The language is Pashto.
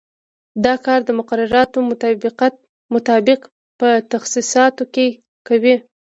دا کار د مقرراتو مطابق په تخصیصاتو کې کوي.